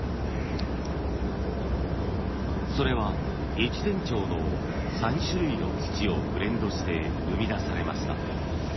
それは越前町の３種類の土をブレンドして生み出されました。